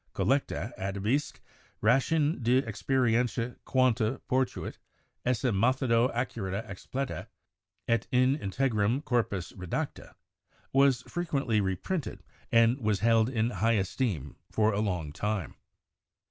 . collecta, adhibitisque ratione et experientia quanta 68 CHEMISTRY potuit esse methodo accurata explicata et in integrum corpus redacta,' was frequently reprinted and was held in high esteem for a long time..